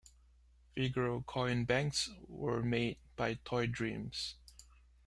Figural coin banks were made by Toy Dreams.